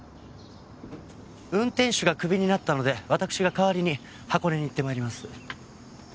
運転手がクビになったのでわたくしが代わりに箱根に行って参ります。